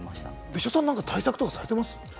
別所さんは対策されてます？